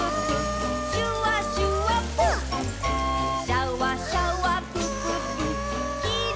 「シャワシャワプププ」ぷー。